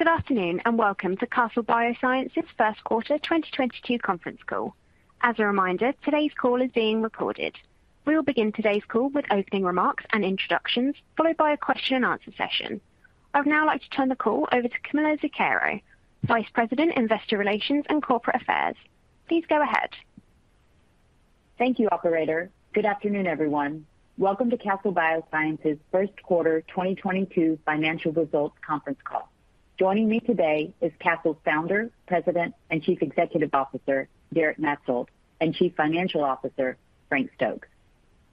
Good afternoon, and Welcome to Castle Biosciences First Quarter 2022 Conference Call. As a reminder, today's call is being recorded. We will begin today's call with opening remarks and introductions, followed by a question-and-answer session. I would now like to turn the call over to Camilla Zuckero, Vice President, Investor Relations and Corporate Affairs. Please go ahead. Thank you, operator. Good afternoon, everyone. Welcome to Castle Biosciences First Quarter 2022 financial results conference call. Joining me today is Castle's Founder, President, and Chief Executive Officer, Derek Maetzold, and Chief Financial Officer, Frank Stokes.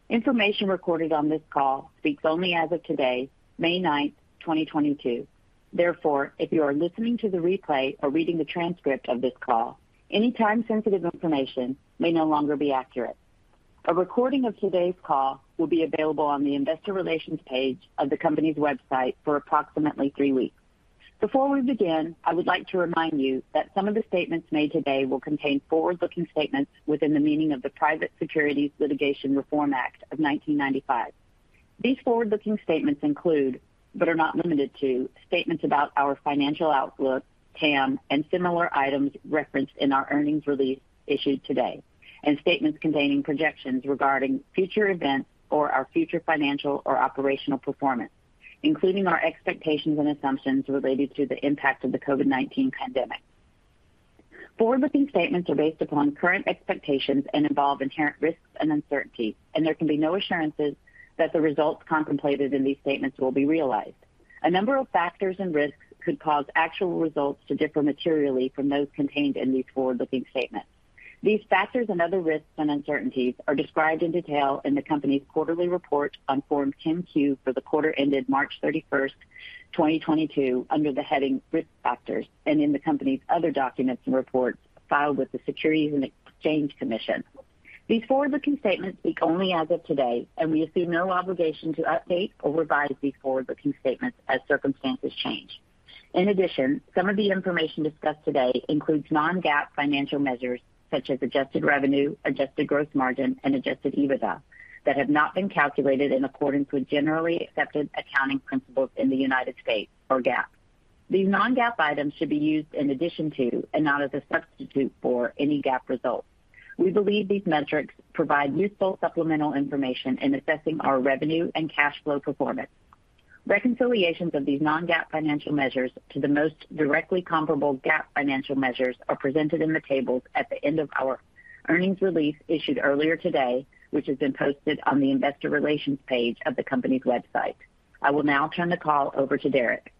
Information recorded on this call speaks only as of today, May 9, 2022. Therefore, if you are listening to the replay or reading the transcript of this call, any time-sensitive information may no longer be accurate. A recording of today's call will be available on the investor relations page of the company's website for approximately three weeks. Before we begin, I would like to remind you that some of the statements made today will contain forward-looking statements within the meaning of the Private Securities Litigation Reform Act of 1995. These forward-looking statements include, but are not limited to, statements about our financial outlook, TAM, and similar items referenced in our earnings release issued today, and statements containing projections regarding future events or our future financial or operational performance, including our expectations and assumptions related to the impact of the COVID-19 pandemic. Forward-looking statements are based upon current expectations and involve inherent risks and uncertainty, and there can be no assurances that the results contemplated in these statements will be realized. A number of factors and risks could cause actual results to differ materially from those contained in these forward-looking statements. These factors and other risks and uncertainties are described in detail in the company's quarterly report on Form 10-Q for the quarter ended March 31st, 2022, under the heading Risk Factors, and in the company's other documents and reports filed with the Securities and Exchange Commission. These forward-looking statements speak only as of today, and we assume no obligation to update or revise these forward-looking statements as circumstances change. In addition, some of the information discussed today includes non-GAAP financial measures such as adjusted revenue, adjusted gross margin, and adjusted EBITDA that have not been calculated in accordance with generally accepted accounting principles in the United States or GAAP. These non-GAAP items should be used in addition to and not as a substitute for any GAAP results. We believe these metrics provide useful supplemental information in assessing our revenue and cash flow performance. Reconciliations of these non-GAAP financial measures to the most directly comparable GAAP financial measures are presented in the tables at the end of our earnings release issued earlier today, which has been posted on the investor relations page of the company's website. I will now turn the call over to Derek.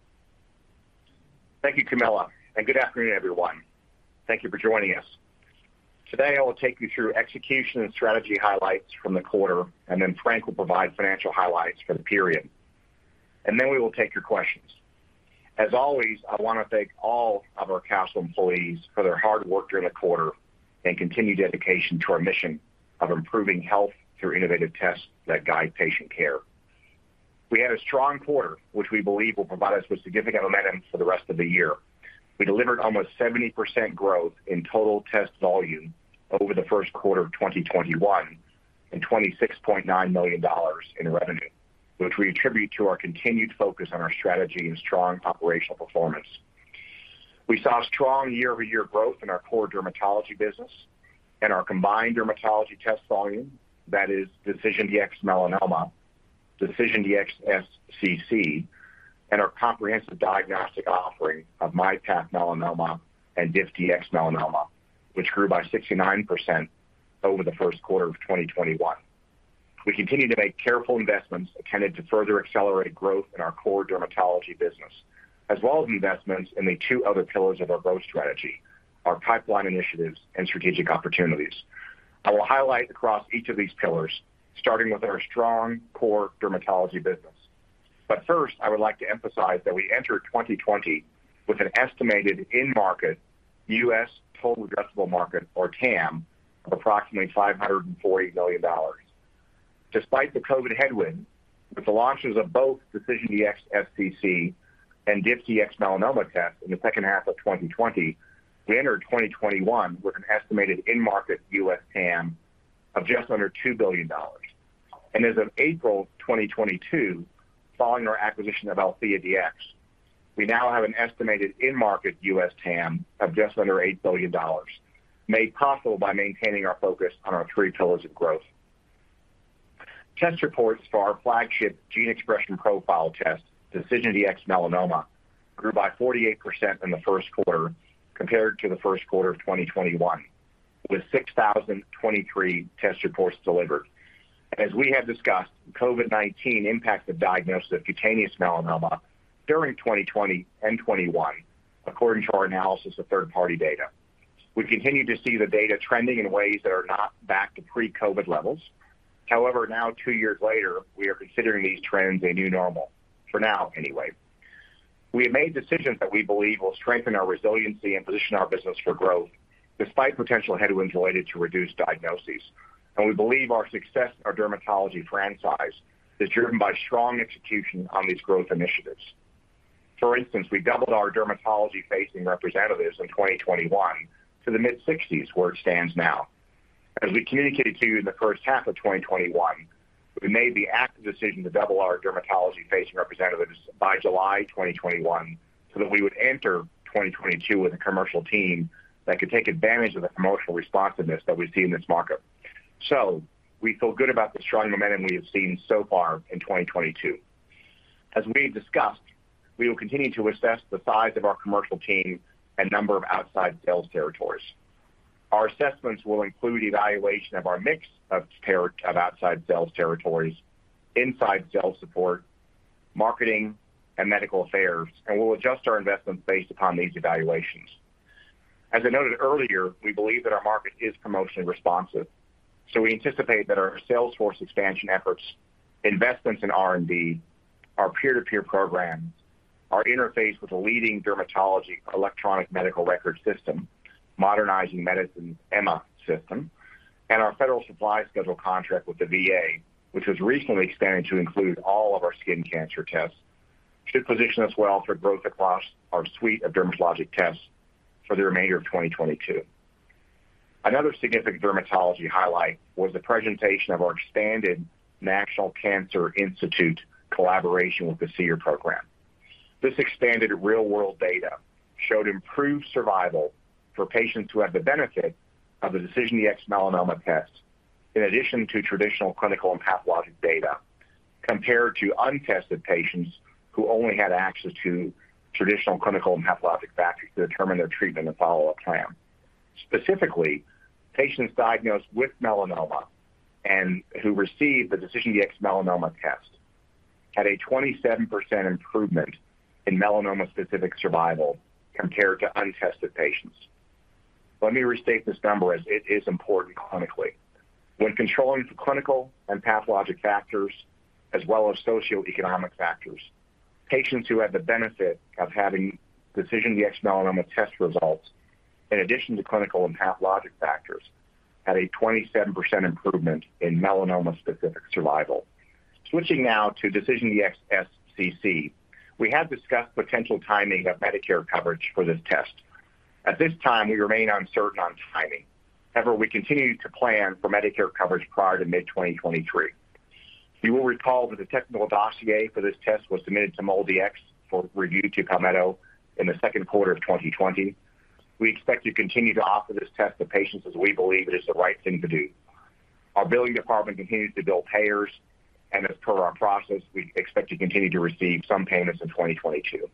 Thank you, Camilla, and good afternoon, everyone. Thank you for joining us. Today, I will take you through execution and strategy highlights from the quarter, and then Frank will provide financial highlights for the period. We will take your questions. As always, I wanna thank all of our Castle employees for their hard work during the quarter and continued dedication to our mission of improving health through innovative tests that guide patient care. We had a strong quarter, which we believe will provide us with significant momentum for the rest of the year. We delivered almost 70% growth in total test volume over the first quarter of 2021 and $26.9 million in revenue, which we attribute to our continued focus on our strategy and strong operational performance. We saw strong year-over-year growth in our core dermatology business and our combined dermatology test volume, that is DecisionDx-Melanoma, DecisionDx-SCC, and our comprehensive diagnostic offering of MyPath Melanoma and DiffDx-Melanoma, which grew by 69% over the first quarter of 2021. We continue to make careful investments intended to further accelerate growth in our core dermatology business, as well as investments in the two other pillars of our growth strategy, our pipeline initiatives and strategic opportunities. I will highlight across each of these pillars, starting with our strong core dermatology business. First, I would like to emphasize that we entered 2020 with an estimated in-market U.S. total addressable market or TAM of approximately $540 million. Despite the COVID headwind, with the launches of both DecisionDx-SCC and DiffDx-Melanoma test in the second half of 2020, we entered 2021 with an estimated in-market U.S. TAM of just under $2 billion. As of April 2022, following our acquisition of AltheaDx, we now have an estimated in-market U.S. TAM of just under $8 billion, made possible by maintaining our focus on our three pillars of growth. Test reports for our flagship gene expression profile test, DecisionDx-Melanoma, grew by 48% in the first quarter compared to the first quarter of 2021, with 6,023 test reports delivered. As we have discussed, COVID-19 impacted diagnosis of cutaneous melanoma during 2020 and 2021, according to our analysis of third-party data. We continue to see the data trending in ways that are not back to pre-COVID levels. However, now two years later, we are considering these trends a new normal for now anyway. We have made decisions that we believe will strengthen our resiliency and position our business for growth despite potential headwinds related to reduced diagnoses. We believe our success in our dermatology franchise is driven by strong execution on these growth initiatives. For instance, we doubled our dermatology-facing representatives in 2021 to the mid-60s, where it stands now. As we communicated to you in the first half of 2021, we made the active decision to double our dermatology-facing representatives by July 2021 so that we would enter 2022 with a commercial team that could take advantage of the promotional responsiveness that we see in this market. We feel good about the strong momentum we have seen so far in 2022. As we discussed, we will continue to assess the size of our commercial team and number of outside sales territories. Our assessments will include evaluation of our mix of outside sales territories, inside sales support, marketing and medical affairs, and we'll adjust our investments based upon these evaluations. As I noted earlier, we believe that our market is promotionally responsive. We anticipate that our sales force expansion efforts, investments in R&D, our peer-to-peer programs, our interface with a leading dermatology electronic medical record system, Modernizing Medicine EMA system, and our federal supply schedule contract with the VA, which was recently expanded to include all of our skin cancer tests, should position us well for growth across our suite of dermatologic tests for the remainder of 2022. Another significant dermatology highlight was the presentation of our expanded National Cancer Institute collaboration with the SEER program. This expanded real-world data showed improved survival for patients who had the benefit of the DecisionDx-Melanoma test in addition to traditional clinical and pathologic data, compared to untested patients who only had access to traditional clinical and pathologic factors to determine their treatment and follow-up plan. Specifically, patients diagnosed with melanoma and who received the DecisionDx-Melanoma test had a 27% improvement in melanoma-specific survival compared to untested patients. Let me restate this number as it is important clinically. When controlling for clinical and pathologic factors as well as socioeconomic factors, patients who had the benefit of having DecisionDx-Melanoma test results in addition to clinical and pathologic factors had a 27% improvement in melanoma-specific survival. Switching now to DecisionDx-SCC. We have discussed potential timing of Medicare coverage for this test. At this time, we remain uncertain on timing. However, we continue to plan for Medicare coverage prior to mid-2023. You will recall that the technical dossier for this test was submitted to MolDX for review to Palmetto GBA in the second quarter of 2020. We expect to continue to offer this test to patients as we believe it is the right thing to do. Our billing department continues to bill payers, and as per our process, we expect to continue to receive some payments in 2022.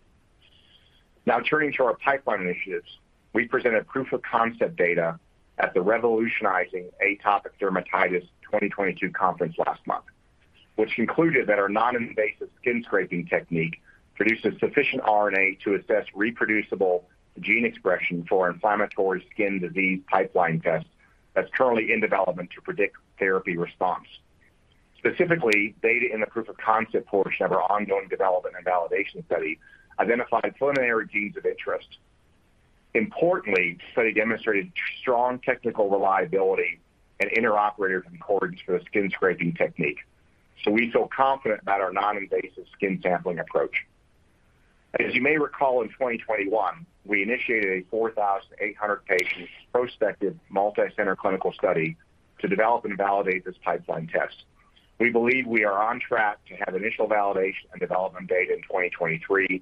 Now turning to our pipeline initiatives. We presented proof of concept data at the Revolutionizing Atopic Dermatitis 2022 conference last month, which concluded that our non-invasive skin scraping technique produces sufficient RNA to assess reproducible gene expression for inflammatory skin disease pipeline test that's currently in development to predict therapy response. Specifically, data in the proof of concept portion of our ongoing development and validation study identified preliminary genes of interest. Importantly, study demonstrated strong technical reliability and interoperator concordance for the skin scraping technique. We feel confident about our non-invasive skin sampling approach. As you may recall, in 2021, we initiated a 4,800-patient prospective multi-center clinical study to develop and validate this pipeline test. We believe we are on track to have initial validation and development data in 2023,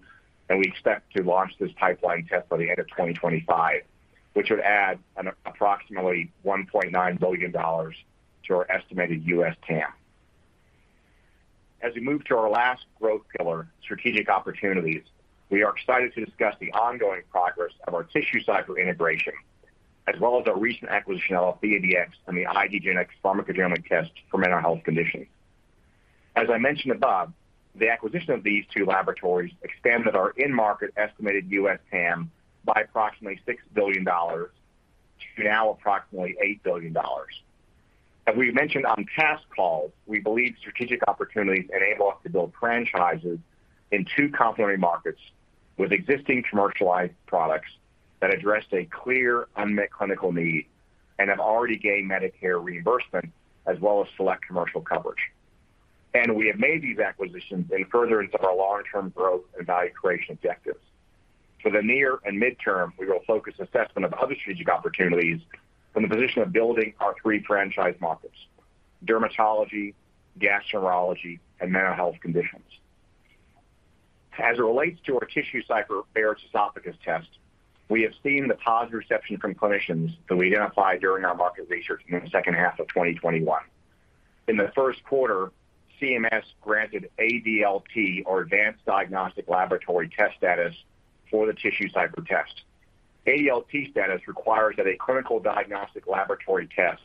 and we expect to launch this pipeline test by the end of 2025, which would add approximately $1.9 billion to our estimated U.S. TAM. As we move to our last growth pillar, strategic opportunities, we are excited to discuss the ongoing progress of our TissueCypher integration, as well as our recent acquisition of AltheaDx and the IDgenetix pharmacogenomic test for mental health conditions. As I mentioned above, the acquisition of these two laboratories expanded our in-market estimated U.S. TAM by approximately $6 billion to now approximately $8 billion. As we mentioned on past calls, we believe strategic opportunities enable us to build franchises in two complementary markets with existing commercialized products that address a clear unmet clinical need and have already gained Medicare reimbursement as well as select commercial coverage. We have made these acquisitions in furtherance of our long-term growth and value creation objectives. For the near and mid-term, we will focus assessment of other strategic opportunities from the position of building our three franchise markets, dermatology, gastroenterology, and mental health conditions. As it relates to our TissueCypher Barrett's esophagus test, we have seen the positive reception from clinicians that we identified during our market research in the second half of 2021. In the first quarter, CMS granted ADLT or Advanced Diagnostic Laboratory Test status for the TissueCypher test. ADLT status requires that a clinical diagnostic laboratory test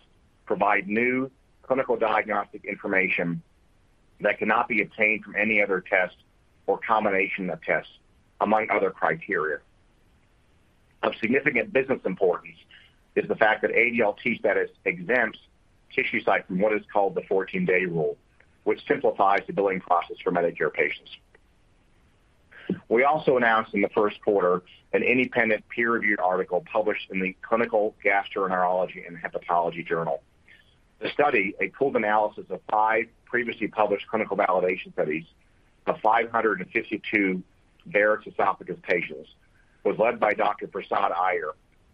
provide new clinical diagnostic information that cannot be obtained from any other test or combination of tests, among other criteria. Of significant business importance is the fact that ADLT status exempts TissueCypher from what is called the fourteen-day rule, which simplifies the billing process for Medicare patients. We also announced in the first quarter an independent peer-reviewed article published in the Clinical Gastroenterology and Hepatology journal. The study, a pooled analysis of five previously published clinical validation studies of 552 Barrett's esophagus patients, was led by Dr. Prasad Iyer,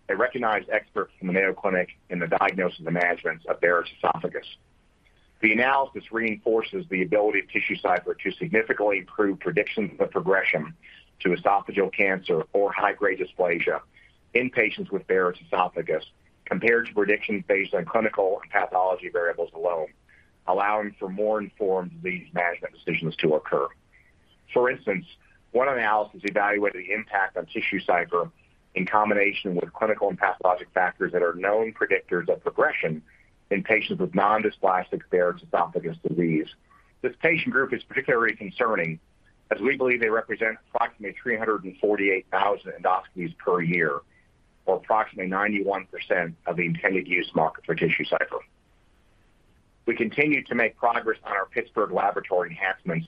a recognized expert from the Mayo Clinic in the diagnosis and management of Barrett's esophagus. The analysis reinforces the ability of TissueCypher to significantly improve predictions of progression to esophageal cancer or high-grade dysplasia in patients with Barrett's esophagus, compared to predictions based on clinical and pathology variables alone, allowing for more informed disease management decisions to occur. For instance, one analysis evaluated the impact on TissueCypher in combination with clinical and pathologic factors that are known predictors of progression in patients with non-dysplastic Barrett's esophagus disease. This patient group is particularly concerning as we believe they represent approximately 348,000 endoscopies per year or approximately 91% of the intended use market for TissueCypher. We continue to make progress on our Pittsburgh laboratory enhancements,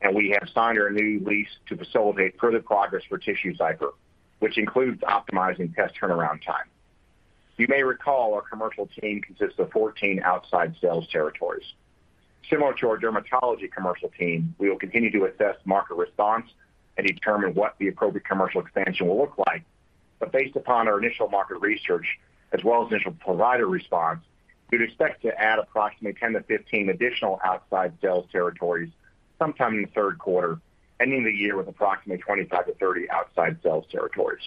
and we have signed our new lease to facilitate further progress for TissueCypher, which includes optimizing test turnaround time. You may recall our commercial team consists of 14 outside sales territories. Similar to our dermatology commercial team, we will continue to assess market response and determine what the appropriate commercial expansion will look like. Based upon our initial market research as well as initial provider response, we'd expect to add approximately 10-15 additional outside sales territories sometime in the third quarter, ending the year with approximately 25-30 outside sales territories.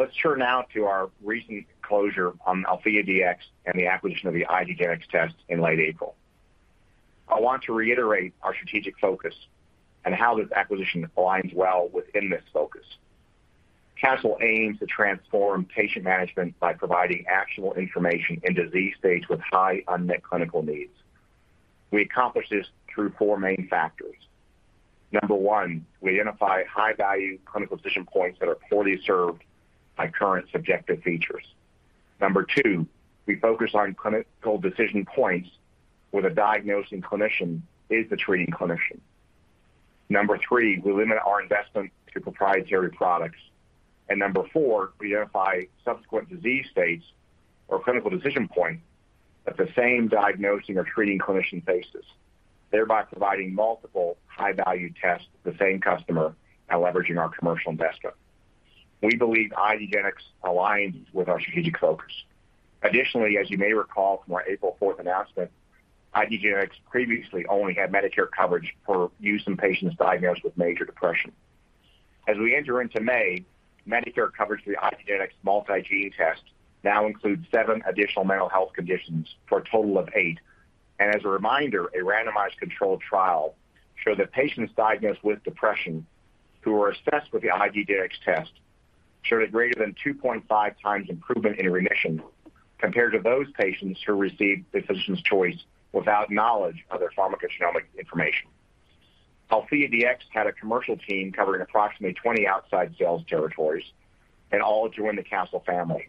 Let's turn now to our recent closure on AltheaDx and the acquisition of the IDgenetix test in late April. I want to reiterate our strategic focus and how this acquisition aligns well within this focus. Castle aims to transform patient management by providing actionable information in disease states with high unmet clinical needs. We accomplish this through four main factors. Number one, we identify high-value clinical decision points that are poorly served by current subjective features. Number two, we focus on clinical decision points where the diagnosing clinician is the treating clinician. Number three, we limit our investment to proprietary products. Number four, we identify subsequent disease states or clinical decision points at the same diagnosing or treating clinician phases, thereby providing multiple high-value tests to the same customer and leveraging our commercial investment. We believe IDgenetix aligns with our strategic focus. Additionally, as you may recall from our April fourth announcement, IDgenetix previously only had Medicare coverage for use in patients diagnosed with major depression. As we enter into May, Medicare coverage for the IDgenetix multigene test now includes seven additional mental health conditions for a total of eight. As a reminder, a randomized controlled trial showed that patients diagnosed with depression who were assessed with the IDgenetix test showed a greater than 2.5x improvement in remission compared to those patients who received the physician's choice without knowledge of their pharmacogenomic information. AltheaDx had a commercial team covering approximately 20 outside sales territories and all joined the Castle family.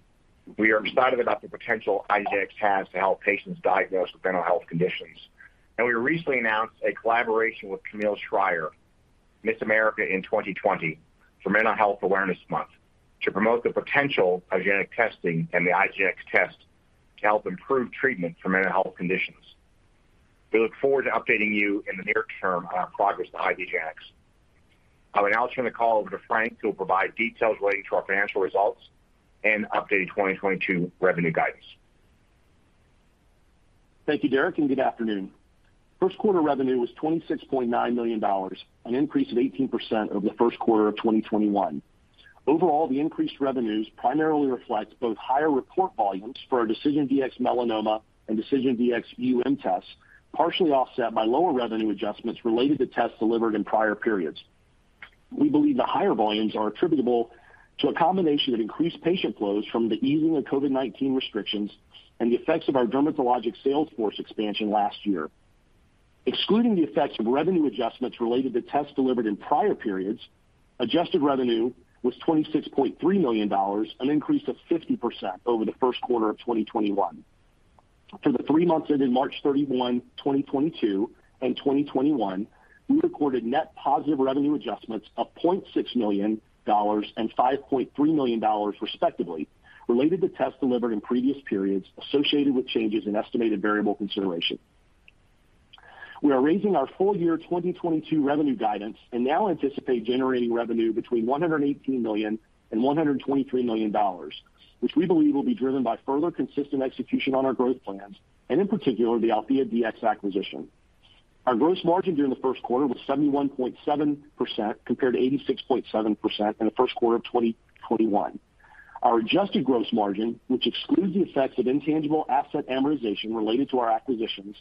We are excited about the potential IDgenetix has to help patients diagnosed with mental health conditions. We recently announced a collaboration with Camille Schrier, Miss America 2020, for Mental Health Awareness Month to promote the potential of genetic testing and the IDgenetix test to help improve treatment for mental health conditions. We look forward to updating you in the near term on our progress with IDgenetix. I will now turn the call over to Frank, who will provide details relating to our financial results and updated 2022 revenue guidance. Thank you, Derek, and good afternoon. First quarter revenue was $26.9 million, an increase of 18% over the first quarter of 2021. Overall, the increased revenues primarily reflect both higher report volumes for our DecisionDx-Melanoma and DecisionDx-UM tests, partially offset by lower revenue adjustments related to tests delivered in prior periods. We believe the higher volumes are attributable to a combination of increased patient flows from the easing of COVID-19 restrictions and the effects of our dermatologic sales force expansion last year. Excluding the effects of revenue adjustments related to tests delivered in prior periods, adjusted revenue was $26.3 million, an increase of 50% over the first quarter of 2021. For the three months ended March 31, 2022 and 2021, we recorded net positive revenue adjustments of $0.6 million and $5.3 million, respectively, related to tests delivered in previous periods associated with changes in estimated variable consideration. We are raising our full-year 2022 revenue guidance and now anticipate generating revenue between $118 million and $123 million, which we believe will be driven by further consistent execution on our growth plans, and in particular, the AltheaDx acquisition. Our gross margin during the first quarter was 71.7% compared to 86.7% in the first quarter of 2021. Our adjusted gross margin, which excludes the effects of intangible asset amortization related to our acquisitions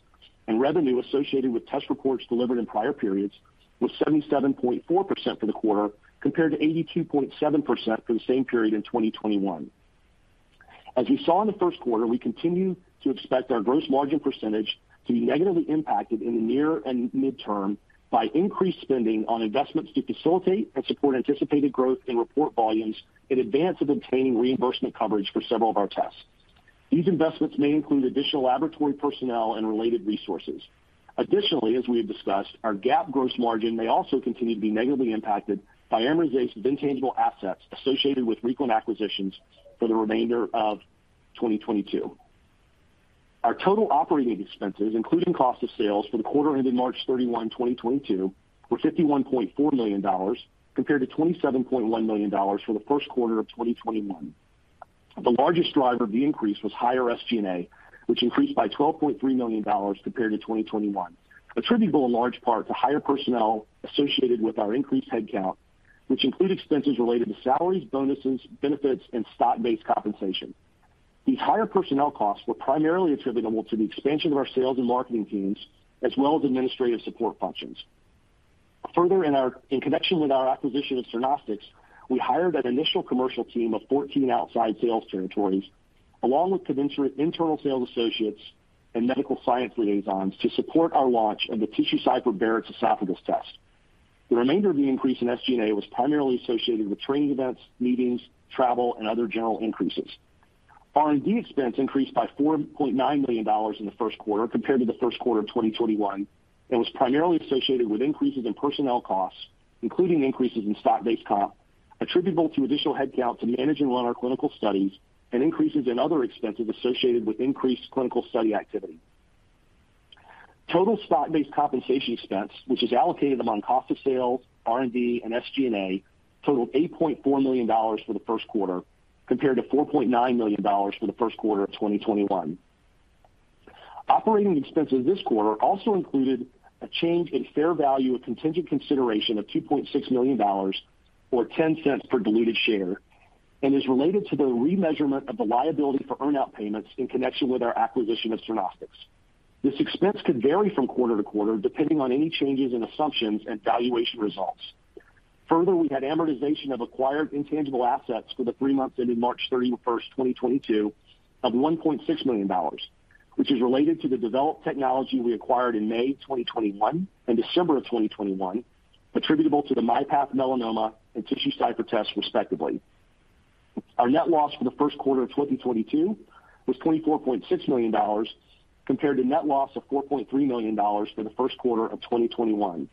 and revenue associated with test reports delivered in prior periods, was 77.4% for the quarter, compared to 82.7% for the same period in 2021. As you saw in the first quarter, we continue to expect our gross margin percentage to be negatively impacted in the near and midterm by increased spending on investments to facilitate and support anticipated growth in report volumes in advance of obtaining reimbursement coverage for several of our tests. These investments may include additional laboratory personnel and related resources. Additionally, as we have discussed, our GAAP gross margin may also continue to be negatively impacted by amortization of intangible assets associated with recent acquisitions for the remainder of 2022. Our total operating expenses, including cost of sales for the quarter ended March 31, 2022, were $51.4 million compared to $27.1 million for the first quarter of 2021. The largest driver of the increase was higher SG&A, which increased by $12.3 million compared to 2021, attributable in large part to higher personnel associated with our increased headcount, which include expenses related to salaries, bonuses, benefits, and stock-based compensation. These higher personnel costs were primarily attributable to the expansion of our sales and marketing teams as well as administrative support functions. Further, in connection with our acquisition of Cernostics, we hired an initial commercial team of 14 outside sales territories, along with internal sales associates and medical science liaisons to support our launch of the TissueCypher Barrett's Esophagus Test. The remainder of the increase in SG&A was primarily associated with training events, meetings, travel, and other general increases. R&D expense increased by $4.9 million in the first quarter compared to the first quarter of 2021, and was primarily associated with increases in personnel costs, including increases in stock-based comp attributable to additional headcount to manage and run our clinical studies and increases in other expenses associated with increased clinical study activity. Total stock-based compensation expense, which is allocated among cost of sales, R&D, and SG&A, totaled $8.4 million for the first quarter compared to $4.9 million for the first quarter of 2021. Operating expenses this quarter also included a change in fair value of contingent consideration of $2.6 million or $0.10 per diluted share, and is related to the remeasurement of the liability for earn-out payments in connection with our acquisition of Cernostics. This expense could vary from quarter to quarter, depending on any changes in assumptions and valuation results. Further, we had amortization of acquired intangible assets for the three months ending March 31, 2022 of $1.6 million, which is related to the developed technology we acquired in May 2021 and December of 2021, attributable to the MyPath Melanoma and TissueCypher tests, respectively. Our net loss for the first quarter of 2022 was $24.6 million compared to net loss of $4.3 million for the first quarter of 2021.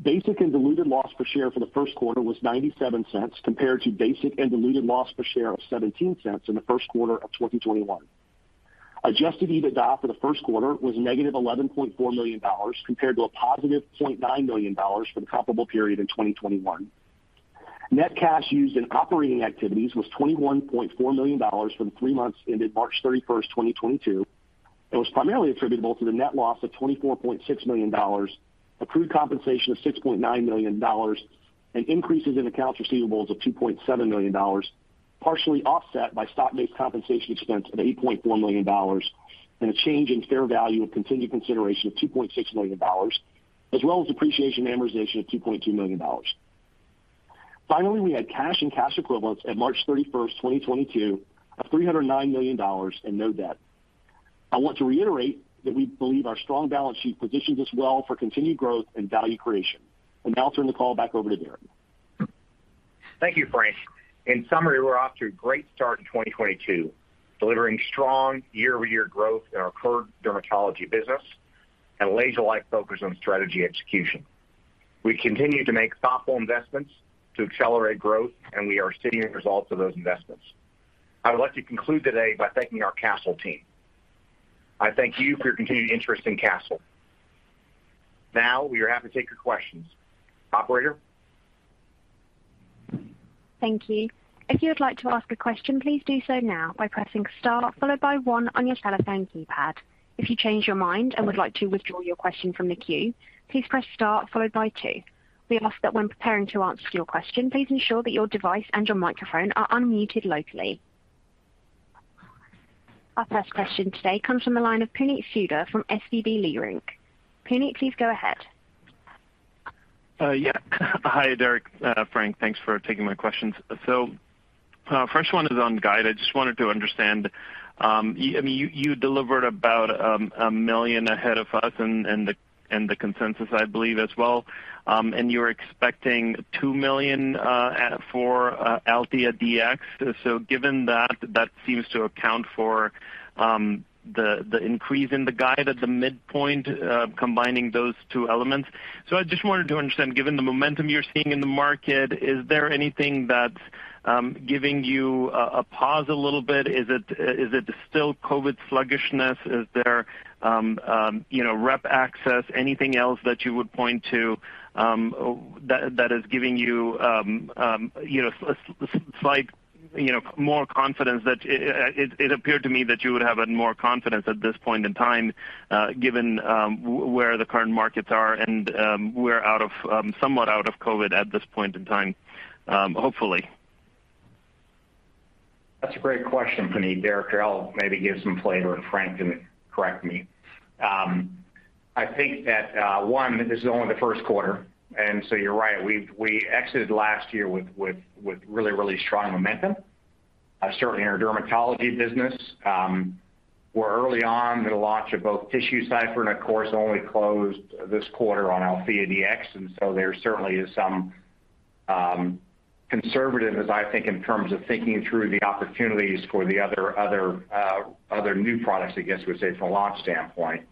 Basic and diluted loss per share for the first quarter was $0.97 compared to basic and diluted loss per share of $0.17 in the first quarter of 2021. Adjusted EBITDA for the first quarter was negative $11.4 million compared to a positive $0.9 million for the comparable period in 2021. Net cash used in operating activities was $21.4 million for the three months ended March 31st, 2022, and was primarily attributable to the net loss of $24.6 million, accrued compensation of $6.9 million, and increases in accounts receivables of $2.7 million, partially offset by stock-based compensation expense of $8.4 million and a change in fair value of contingent consideration of $2.6 million, as well as depreciation and amortization of $2.2 million. Finally, we had cash and cash equivalents at March 31st, 2022 of $309 million and no debt. I want to reiterate that we believe our strong balance sheet positions us well for continued growth and value creation. I'll now turn the call back over to Derek. Thank you, Frank. In summary, we're off to a great start in 2022, delivering strong year-over-year growth in our current dermatology business and a laser-like focus on strategy execution. We continue to make thoughtful investments to accelerate growth, and we are seeing results of those investments. I would like to conclude today by thanking our Castle team. I thank you for your continued interest in Castle. Now we are happy to take your questions. Operator? Thank you. If you would like to ask a question, please do so now by pressing star followed by one on your telephone keypad. If you change your mind and would like to withdraw your question from the queue, please press star followed by two. We ask that when preparing to answer your question, please ensure that your device and your microphone are unmuted locally. Our first question today comes from the line of Puneet Souda from SVB Leerink. Puneet, please go ahead. Hi, Derek, Frank, thanks for taking my questions. First one is on guide. I just wanted to understand, you delivered about $1 million ahead of us and the consensus, I believe as well. You're expecting $2 million for AltheaDx. Given that seems to account for the increase in the guide at the midpoint, combining those two elements. I just wanted to understand, given the momentum you're seeing in the market, is there anything that's giving you a pause a little bit? Is it still COVID sluggishness? Is there, you know, rep access? Anything else that you would point to, that is giving you know, a slight, you know, more confidence that it appeared to me that you would have more confidence at this point in time, given where the current markets are and, we're somewhat out of COVID at this point in time, hopefully. That's a great question, Puneet. Derek, I'll maybe give some flavor, and Frank can correct me. I think that, one, this is only the first quarter, and so you're right. We exited last year with really strong momentum, certainly in our dermatology business. We're early on in the launch of both TissueCypher and, of course, only closed this quarter on AltheaDx. There certainly is some conservative, as I think in terms of thinking through the opportunities for the other new products, I guess you would say, from a launch standpoint.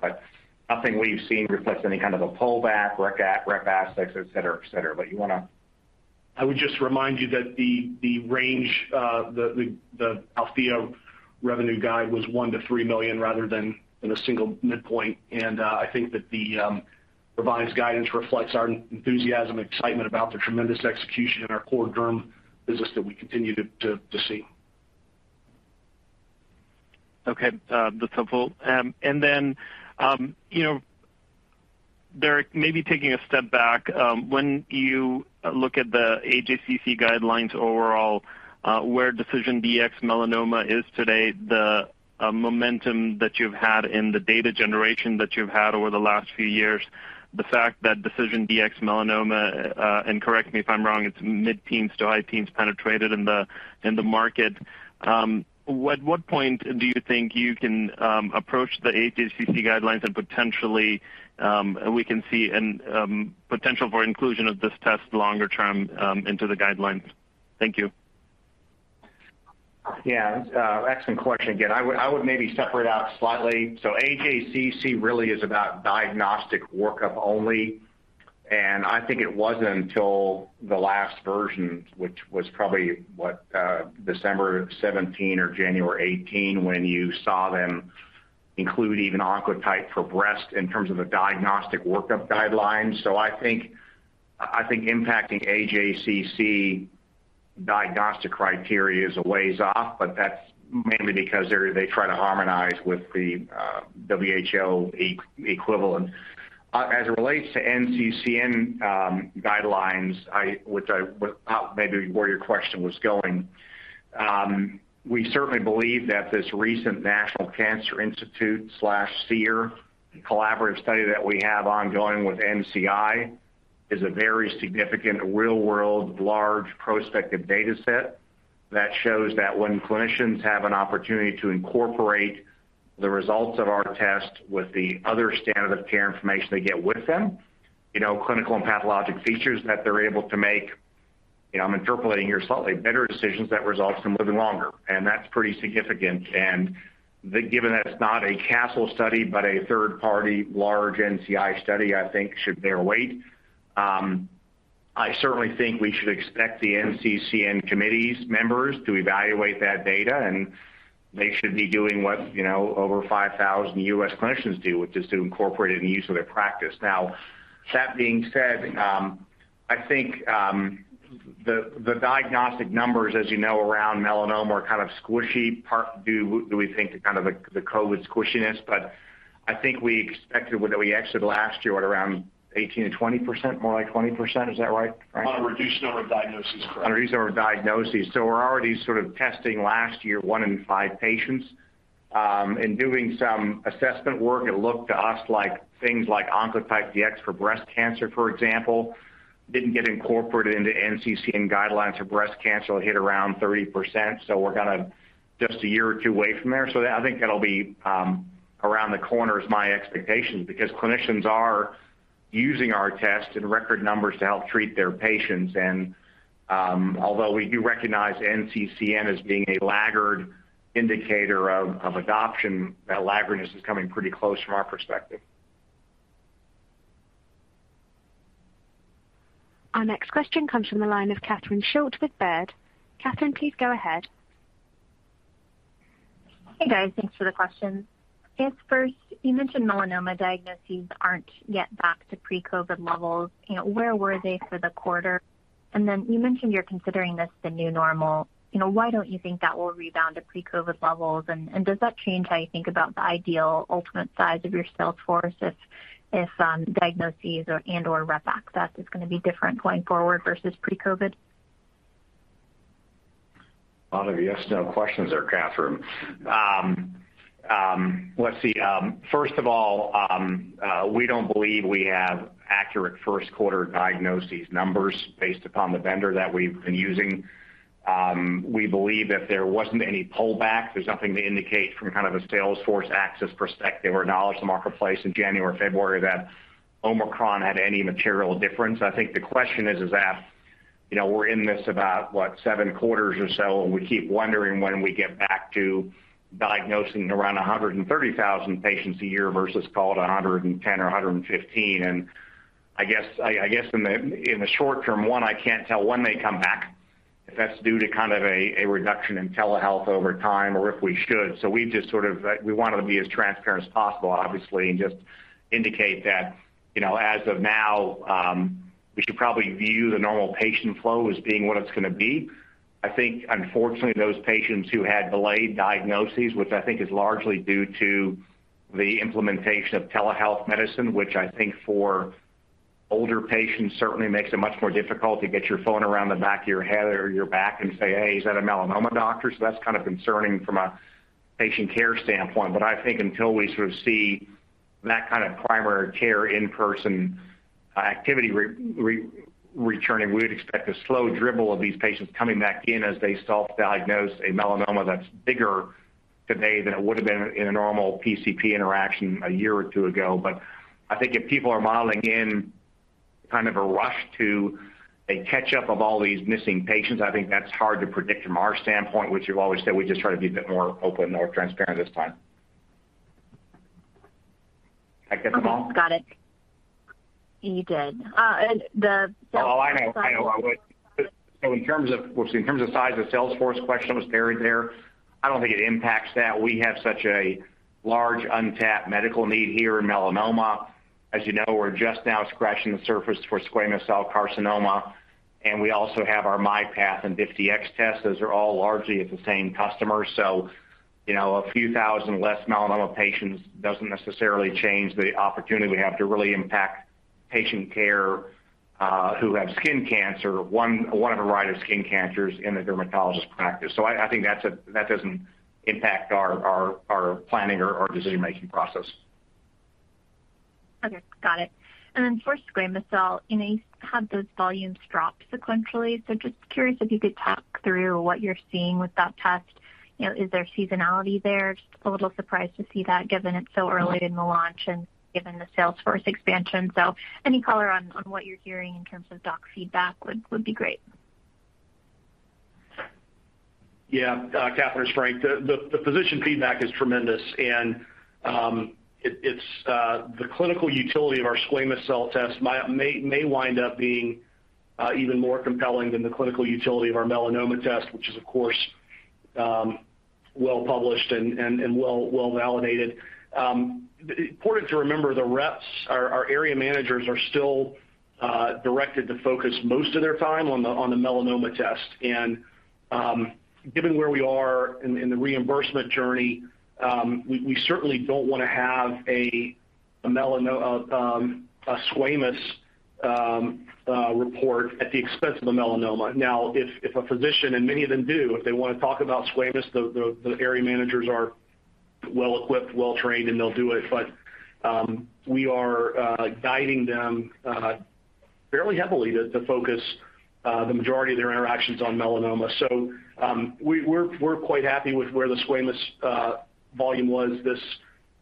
Nothing we've seen reflects any kind of a pullback, rep access, et cetera. I would just remind you that the range of the Althea revenue guidance was $1 million-$3 million rather than a single midpoint. I think that the revised guidance reflects our enthusiasm and excitement about the tremendous execution in our core derm business that we continue to see. Okay. That's helpful. You know, Derek, maybe taking a step back, when you look at the AJCC guidelines overall, where DecisionDx-Melanoma is today, the momentum that you've had and the data generation that you've had over the last few years, the fact that DecisionDx-Melanoma, and correct me if I'm wrong, it's mid-teens to high-teens penetration in the market. At what point do you think you can approach the AJCC guidelines and potentially we can see potential for inclusion of this test longer term into the guidelines? Thank you. Yeah, excellent question. Again, I would maybe separate out slightly. AJCC really is about diagnostic workup only, and I think it wasn't until the last version, which was probably December 2017 or January 2018 when you saw them include even Oncotype for breast in terms of the diagnostic workup guidelines. I think impacting AJCC diagnostic criteria is a ways off, but that's mainly because they try to harmonize with the WHO equivalent. As it relates to NCCN guidelines, maybe where your question was going. We certainly believe that this recent National Cancer Institute/SEER collaborative study that we have ongoing with NCI is a very significant real-world, large prospective dataset that shows that when clinicians have an opportunity to incorporate the results of our test with the other standard of care information they get with them, you know, clinical and pathologic features that they're able to make, you know, I'm interpolating here slightly, better decisions that results in living longer, and that's pretty significant. Given that it's not a Castle study, but a third-party large NCI study, I think should bear weight. I certainly think we should expect the NCCN committee members to evaluate that data, and they should be doing what, you know, over 5,000 U.S. clinicians do, which is to incorporate it in use of their practice. Now, that being said, I think the diagnostic numbers, as you know, around melanoma are kind of squishy, part due, we think, to kind of the COVID squishiness. I think we expected when we exited last year at around 18%-20%, more like 20%. Is that right, Frank? On a reduced number of diagnoses, correct. On a reduced number of diagnoses. We're already sort of testing last year, one in five patients. In doing some assessment work, it looked to us like things like Oncotype DX for breast cancer, for example, didn't get incorporated into NCCN guidelines for breast cancer. It hit around 30%, so we're kinda just a year or two away from there. I think it'll be around the corner is my expectation because clinicians are using our tests in record numbers to help treat their patients. Although we do recognize NCCN as being a laggard indicator of adoption, that laggardness is coming pretty close from our perspective. Our next question comes from the line of Catherine Schulte with Baird. Kathryn, please go ahead. Hey, guys. Thanks for the questions. I guess first, you mentioned melanoma diagnoses aren't yet back to pre-COVID levels. You know, where were they for the quarter? Then you mentioned you're considering this the new normal. You know, why don't you think that will rebound to pre-COVID levels? Does that change how you think about the ideal ultimate size of your sales force if diagnoses or and/or rep access is gonna be different going forward versus pre-COVID? A lot of yes, no questions there, Cathryn Schulte. Let's see. First of all, we don't believe we have accurate first quarter diagnosis numbers based upon the vendor that we've been using. We believe that there wasn't any pullback. There's nothing to indicate from kind of a sales force access perspective or knowledge to marketplace in January, February that Omicron had any material difference. I think the question is that, you know, we're in this about, what, seven quarters or so, and we keep wondering when we get back to diagnosing around 130,000 patients a year versus call it 110 or 115. I guess in the short term, I can't tell when they come back if that's due to kind of a reduction in telehealth over time or if we should. We just wanted to be as transparent as possible, obviously, and just indicate that, you know, as of now, we should probably view the normal patient flow as being what it's gonna be. I think unfortunately, those patients who had delayed diagnoses, which I think is largely due to the implementation of telehealth medicine, which I think for older patients certainly makes it much more difficult to get your phone around the back of your head or your back and say, "Hey, is that a melanoma doctor?" That's kind of concerning from a patient care standpoint. I think until we sort of see that kind of primary care in-person activity returning, we would expect a slow dribble of these patients coming back in as they self-diagnose a melanoma that's bigger today than it would've been in a normal PCP interaction a year or two ago. I think if people are modeling in kind of a rush to a catch-up of all these missing patients, I think that's hard to predict from our standpoint, which we've always said we just try to be a bit more open or transparent this time. I get them all? Okay. Got it. You did. Oh, I know, I know. In terms of size of sales force question was buried there. I don't think it impacts that. We have such a large untapped medical need here in melanoma. As you know, we're just now scratching the surface for squamous cell carcinoma, and we also have our MyPath and DiffDx tests. Those are all largely at the same customer. You know, a few thousand less melanoma patients doesn't necessarily change the opportunity we have to really impact patient care, who have skin cancer, one of a variety of skin cancers in a dermatologist practice. I think that doesn't impact our planning or our decision-making process. Okay. Got it. For squamous cell, you know, you had those volumes drop sequentially. Just curious if you could talk through what you're seeing with that test. You know, is there seasonality there? Just a little surprised to see that given it's so early in the launch and given the sales force expansion. Any color on what you're hearing in terms of doc feedback would be great. Yeah. Catherine, it's Frank. The position feedback is tremendous and it is the clinical utility of our squamous cell test may wind up being even more compelling than the clinical utility of our melanoma test, which is of course well published and well validated. Important to remember, the reps, our area managers are still directed to focus most of their time on the melanoma test. Given where we are in the reimbursement journey, we certainly don't wanna have a squamous report at the expense of a melanoma. Now, if a physician, and many of them do, if they wanna talk about squamous, the area managers are well equipped, well trained, and they'll do it. We are guiding them fairly heavily to focus the majority of their interactions on melanoma. We're quite happy with where the squamous volume was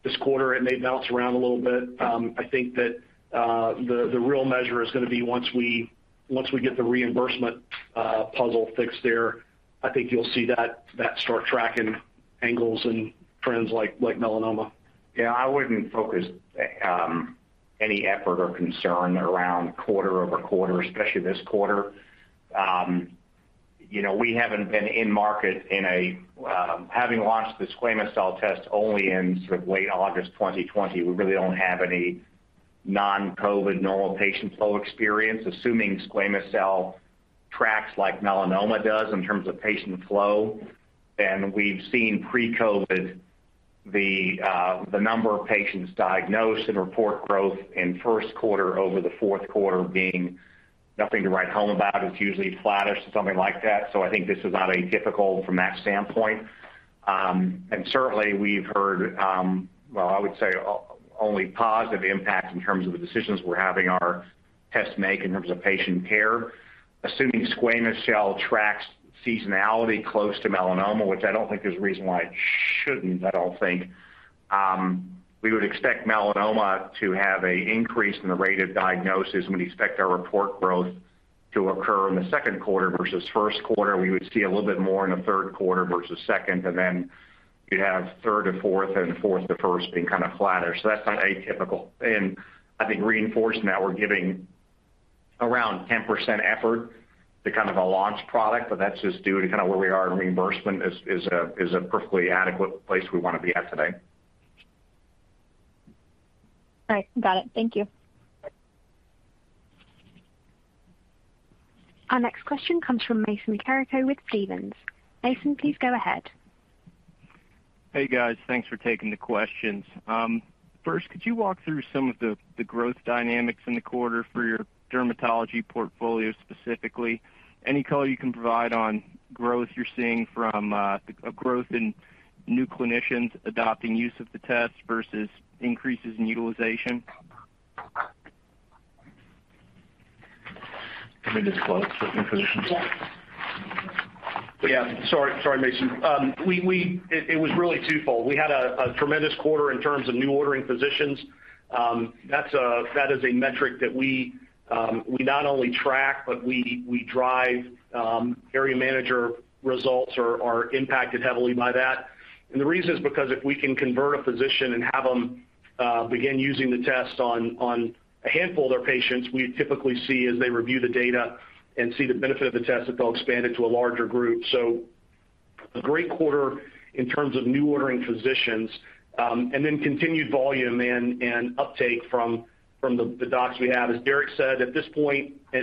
this quarter. It may bounce around a little bit. I think that the real measure is gonna be once we get the reimbursement puzzle fixed there. I think you'll see that start tracking angles and trends like melanoma. Yeah. I wouldn't focus any effort or concern around quarter-over-quarter, especially this quarter. You know, we haven't been in market having launched the squamous cell test only in sort of late August 2020. We really don't have any non-COVID normal patient flow experience. Assuming squamous cell tracks like melanoma does in terms of patient flow, then we've seen pre-COVID the number of patients diagnosed and reported growth in first quarter over the fourth quarter being nothing to write home about. It's usually flattish or something like that. I think this is not atypical from that standpoint. Certainly we've heard well, I would say only positive impact in terms of the decisions we're having our tests make in terms of patient care. Assuming squamous cell tracks seasonality close to melanoma, which I don't think there's a reason why it shouldn't, I don't think we would expect melanoma to have an increase in the rate of diagnosis, and we'd expect our revenue growth to occur in the second quarter versus first quarter. We would see a little bit more in the third quarter versus second, and then you'd have third to fourth and fourth to first being kind of flatter. That's not atypical. And I think reimbursement, we're giving around 10% effort to kind of a launch product, but that's just due to kinda where we are in reimbursement is a perfectly adequate place we wanna be at today. All right. Got it. Thank you. Our next question comes from Mason Carrico with Stephens. Mason, please go ahead. Hey, guys. Thanks for taking the questions. First, could you walk through some of the growth dynamics in the quarter for your dermatology portfolio specifically? Any color you can provide on growth you're seeing from a growth in new clinicians adopting use of the test versus increases in utilization? Let me just close so I can focus. Yes. Yeah. Sorry. Sorry, Mason. We had a tremendous quarter in terms of new ordering physicians. That's a metric that we not only track, but we drive. Area manager results are impacted heavily by that. The reason is because if we can convert a physician and have them begin using the test on a handful of their patients, we typically see as they review the data and see the benefit of the test, they'll expand it to a larger group. A great quarter in terms of new ordering physicians, and then continued volume and uptake from the docs we have. As Derek said, at this point, I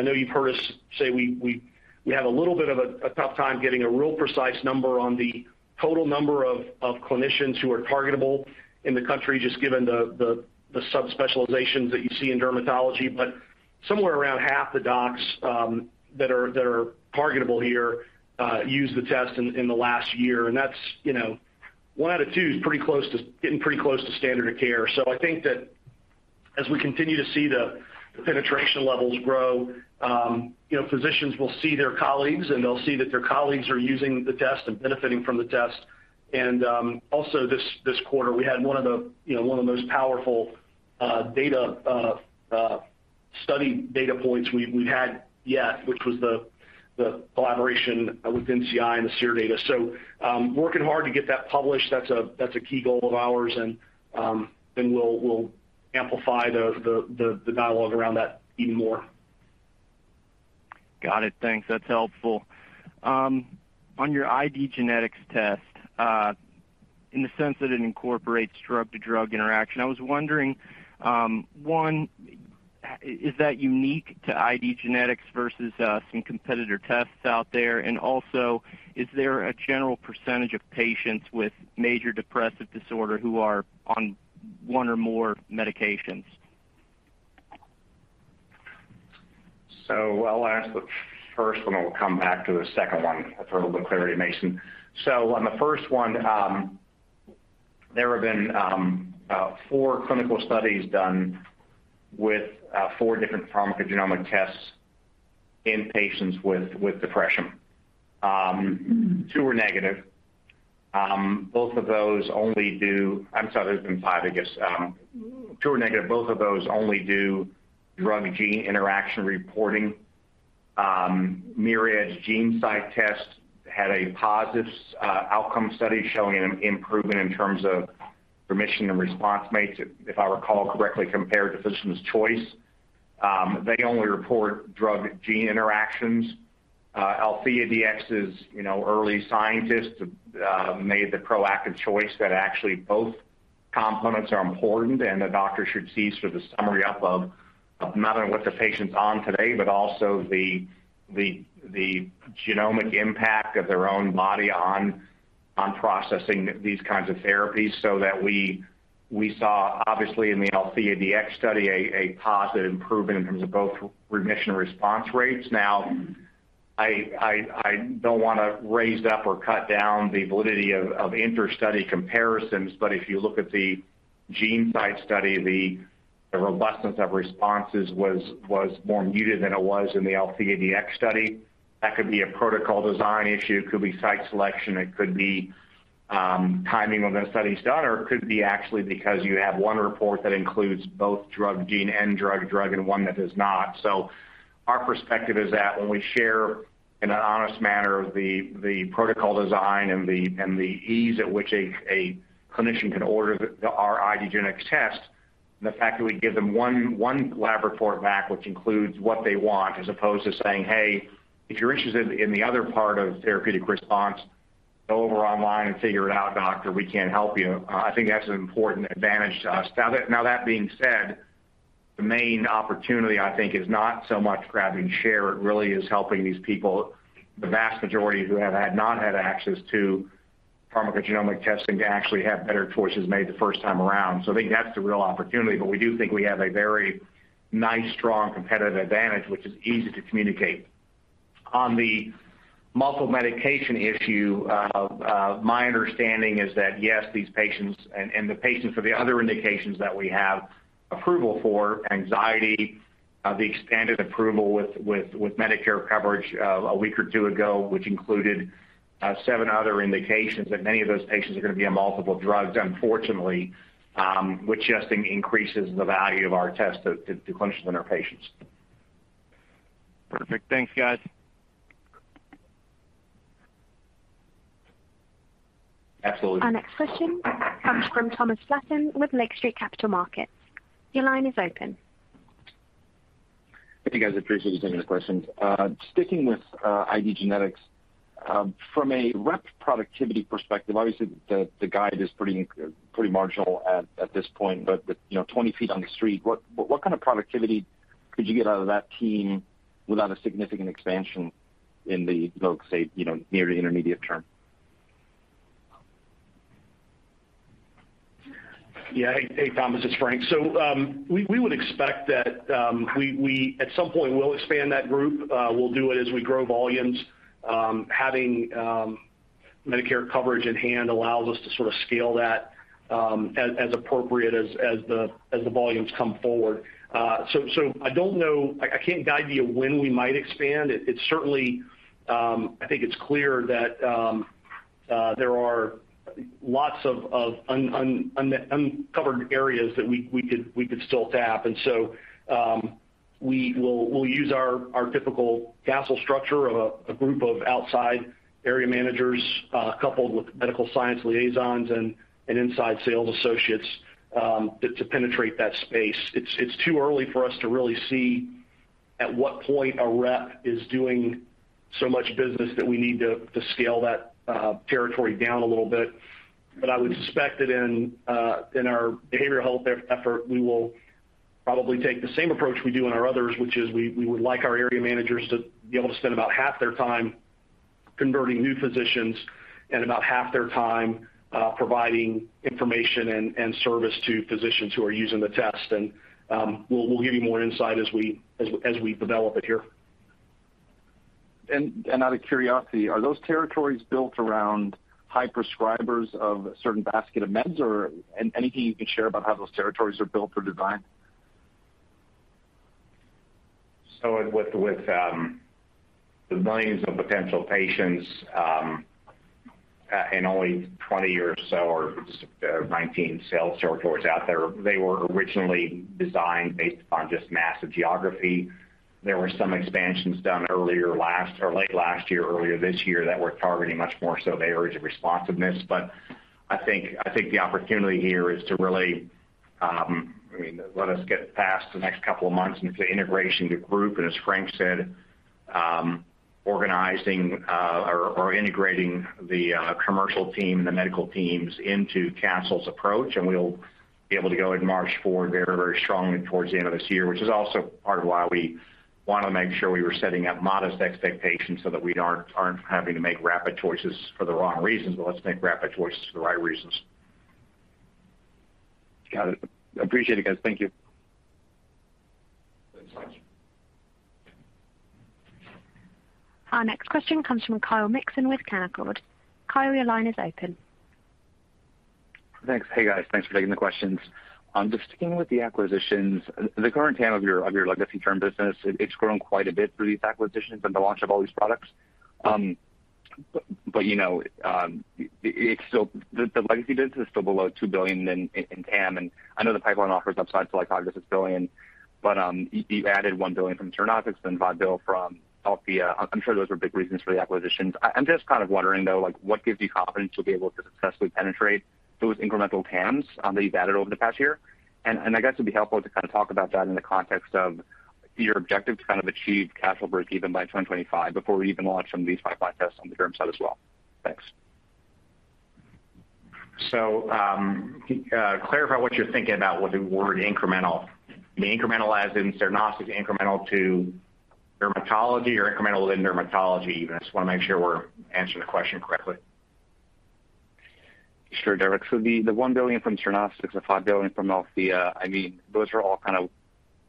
know you've heard us say we have a little bit of a tough time getting a real precise number on the total number of clinicians who are targetable in the country just given the subspecializations that you see in dermatology. Somewhere around half the docs that are targetable here use the test in the last year. That's, you know, one out of two is pretty close to getting pretty close to standard of care. I think that as we continue to see the penetration levels grow, you know, physicians will see their colleagues, and they'll see that their colleagues are using the test and benefiting from the test. Also this quarter, we had one of the, you know, most powerful data study, data points we've had yet, which was the collaboration with NCI and the SEER data. Working hard to get that published. That's a key goal of ours, and then we'll amplify the dialogue around that even more. Got it. Thanks. That's helpful. On your IDgenetix test, in the sense that it incorporates drug-to-drug interaction, I was wondering, one, is that unique to IDgenetix versus some competitor tests out there? Also, is there a general percentage of patients with major depressive disorder who are on one or more medications? I'll answer the first one, and we'll come back to the second one for a little bit of clarity, Mason. On the first one, there have been four clinical studies done with four different pharmacogenomic tests in patients with depression. Two were negative. I'm sorry, there's been five, I guess. Two were negative. Both of those only do drug-gene interaction reporting. Myriad's GeneSight test had a positive outcome study showing an improvement in terms of remission and response rates, if I recall correctly, compared to physician's choice. They only report drug-gene interactions. AltheaDx's, you know, early scientists made the proactive choice that actually both components are important and the doctor should see the summary of not only what the patient's on today, but also the genomic impact of their own body on processing these kinds of therapies so that we saw obviously in the AltheaDx study a positive improvement in terms of both remission and response rates. Now, I don't want to raise up or cut down the validity of inter-study comparisons, but if you look at the GeneSight study, the robustness of responses was more muted than it was in the AltheaDx study. That could be a protocol design issue, it could be site selection, it could be timing when the study's done, or it could be actually because you have one report that includes both drug-gene and drug-drug and one that does not. Our perspective is that when we share in an honest manner the protocol design and the ease at which a clinician can order our IDgenetix test, and the fact that we give them one lab report back, which includes what they want, as opposed to saying, "Hey, if you're interested in the other part of therapeutic response, go over online and figure it out, doctor, we can't help you." I think that's an important advantage to us. Now that being said, the main opportunity, I think, is not so much grabbing share. It really is helping these people, the vast majority who have not had access to pharmacogenomic testing, to actually have better choices made the first time around. I think that's the real opportunity, but we do think we have a very nice, strong competitive advantage, which is easy to communicate. On the multiple medication issue, my understanding is that, yes, these patients and the patients for the other indications that we have approval for, anxiety, the expanded approval with Medicare coverage, a week or two ago, which included seven other indications, that many of those patients are going to be on multiple drugs, unfortunately, which just increases the value of our test to clinicians and their patients. Perfect. Thanks, guys. Absolutely. Our next question comes from Thomas Flaten with Lake Street Capital Markets. Your line is open. Thank you, guys. Appreciate you taking the questions. Sticking with IDgenetix, from a rep productivity perspective, obviously the guide is pretty marginal at this point, you know, 20 ft on the street, what kind of productivity could you get out of that team without a significant expansion in the, let's say, you know, near- to intermediate-term? Yeah. Hey, Thomas Flaten, it's Frank Stokes. We would expect that we at some point will expand that group. We'll do it as we grow volumes. Having Medicare coverage in hand allows us to sort of scale that as appropriate as the volumes come forward. I don't know. I can't guide you when we might expand. It's certainly. I think it's clear that there are lots of uncovered areas that we could still tap. We'll use our typical Castle structure of a group of outside area managers, coupled with medical science liaisons and inside sales associates, to penetrate that space. It's too early for us to really see at what point a rep is doing so much business that we need to scale that territory down a little bit. But I would suspect that in our behavioral health effort, we will probably take the same approach we do in our others, which is we would like our area managers to be able to spend about half their time converting new physicians and about half their time providing information and service to physicians who are using the test. We'll give you more insight as we develop it here. Out of curiosity, are those territories built around high prescribers of certain basket of meds or anything you can share about how those territories are built or designed? With the millions of potential patients, and only 20 or so, 19 sales territories out there. They were originally designed based on just massive geography. There were some expansions done earlier last or late last year, earlier this year that we're targeting much more so the areas of responsiveness. I think the opportunity here is to really, I mean, let us get past the next couple of months into the integration of the group, and as Frank said, organizing or integrating the commercial team and the medical teams into Castle's approach, and we'll be able to go and march forward very, very strongly towards the end of this year, which is also part of why we wanna make sure we were setting up modest expectations so that we aren't having to make rapid choices for the wrong reasons, but let's make rapid choices for the right reasons. Got it. Appreciate it, guys. Thank you. Thanks, Thom. Our next question comes from Kyle Mikson with Canaccord. Kyle, your line is open. Thanks. Hey, guys. Thanks for taking the questions. Just sticking with the acquisitions, the current TAM of your, of your legacy Derm business, it's grown quite a bit through these acquisitions and the launch of all these products. But, you know, it's still the legacy business is still below $2 billion in TAM, and I know the pipeline offers upside to like $5 billion-$6 billion, but you've added $1 billion from Cernostics and $5 billion from AltheaDx. I'm sure those are big reasons for the acquisitions. I'm just kind of wondering, though, like, what gives you confidence you'll be able to successfully penetrate those incremental TAMs that you've added over the past year? I guess it'd be helpful to kind of talk about that in the context of your objective to kind of achieve cash flow break even by 2025 before we even launch some of these pipeline tests on the Derm side as well. Thanks. Clarify what you're thinking about with the word incremental. The incremental as in Cernostics is incremental to dermatology or incremental within dermatology even? I just wanna make sure we're answering the question correctly. Sure, Derek. The $1 billion from Cernostics, the $5 billion from AltheaDx, I mean, those are all kind of,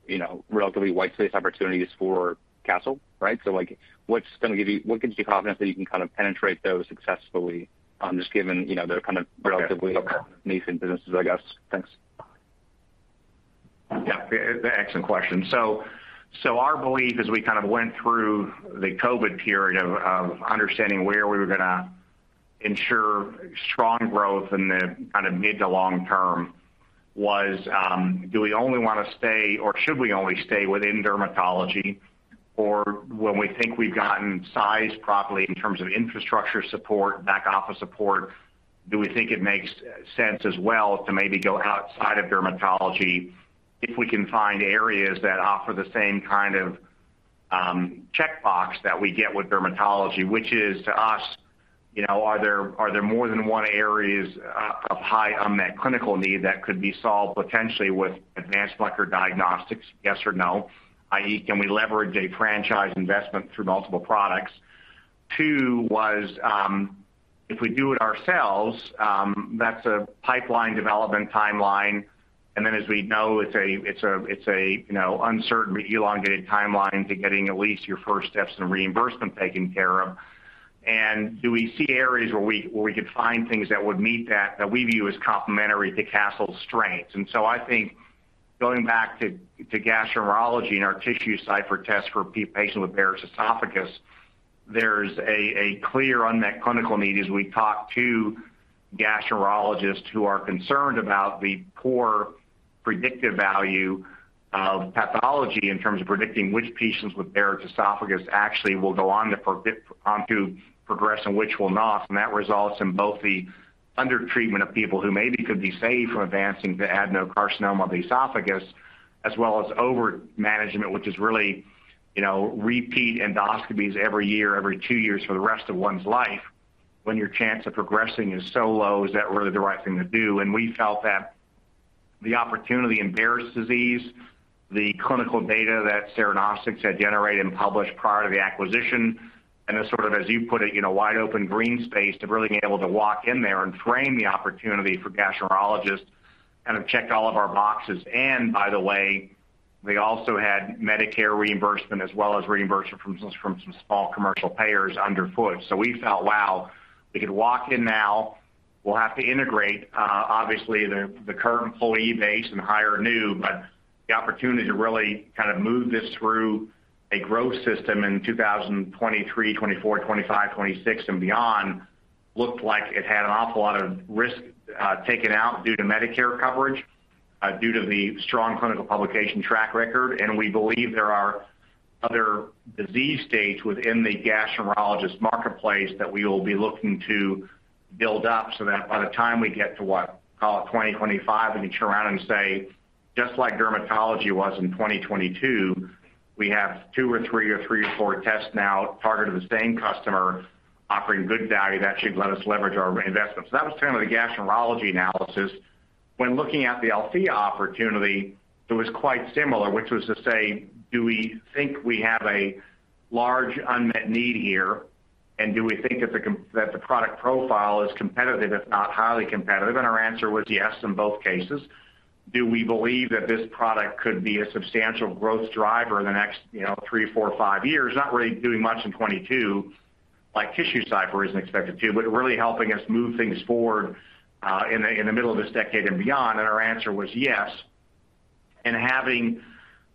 you know, relatively white space opportunities for Castle, right? Like, what gives you confidence that you can kind of penetrate those successfully, just given, you know, they're kind of relatively Okay. Okay. Niche businesses, I guess. Thanks. Excellent question. Our belief as we kind of went through the COVID period of understanding where we were gonna ensure strong growth in the kind of mid to long term was, do we only wanna stay or should we only stay within dermatology? Or when we think we've gotten sized properly in terms of infrastructure support, back office support, do we think it makes sense as well to maybe go outside of dermatology if we can find areas that offer the same kind of checkbox that we get with dermatology, which is to us, you know, are there more than one areas of high unmet clinical need that could be solved potentially with advanced molecular diagnostics, yes or no? I.e., can we leverage a franchise investment through multiple products? Two was, if we do it ourselves, that's a pipeline development timeline. Then as we know, it's a you know, uncertain elongated timeline to getting at least your first steps in reimbursement taken care of. Do we see areas where we could find things that would meet that we view as complementary to Castle's strengths? I think going back to gastroenterology and our TissueCypher test for patients with Barrett's esophagus, there's a clear unmet clinical need as we talk to gastroenterologists who are concerned about the poor predictive value of pathology in terms of predicting which patients with Barrett's esophagus actually will go on to progress and which will not. That results in both the undertreatment of people who maybe could be saved from advancing to adenocarcinoma of the esophagus, as well as overmanagement, which is really, you know, repeat endoscopies every year, every two years for the rest of one's life. When your chance of progressing is so low, is that really the right thing to do? We felt that the opportunity in Barrett's esophagus, the clinical data that Cernostics had generated and published prior to the acquisition, and the sort of, as you put it, you know, wide open green space to really be able to walk in there and frame the opportunity for gastroenterologists kind of checked all of our boxes. By the way, they also had Medicare reimbursement as well as reimbursement from some small commercial payers underfoot. We felt, wow, we could walk in now. We'll have to integrate obviously the current employee base and hire new, but the opportunity to really kind of move this through a growth system in 2023, 2024, 2025, 2026 and beyond looked like it had an awful lot of risk taken out due to Medicare coverage due to the strong clinical publication track record. We believe there are other disease states within the gastroenterologist marketplace that we will be looking to build up so that by the time we get to what, call it 2025, and you turn around and say, just like dermatology was in 2022, we have two or three or four tests now targeted to the same customer offering good value that should let us leverage our investments. That was kind of the gastroenterology analysis. When looking at the AltheaDx opportunity, it was quite similar, which was to say, do we think we have a large unmet need here? Do we think that the product profile is competitive, if not highly competitive? Our answer was yes in both cases. Do we believe that this product could be a substantial growth driver in the next, you know, three/four/five years? Not really doing much in 2022 like TissueCypher isn't expected to, but really helping us move things forward in the middle of this decade and beyond. Our answer was yes. Having